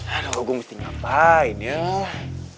aduh gue mesti ngapain ya